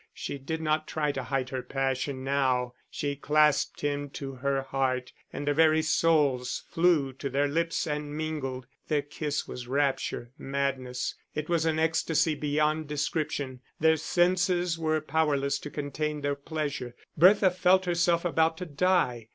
She did not try to hide her passion now; she clasped him to her heart, and their very souls flew to their lips and mingled. Their kiss was rapture, madness; it was an ecstasy beyond description, their senses were powerless to contain their pleasure. Bertha felt herself about to die.